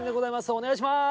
お願いします。